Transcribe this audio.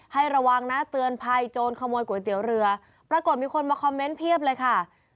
ระวังนะเตือนภัยโจรขโมยก๋วยเตี๋ยวเรือปรากฏมีคนมาคอมเมนต์เพียบเลยค่ะ